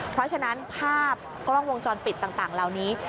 เพราะฉะนั้นภาพกล้องวงจรปิดต่างเหล่านี้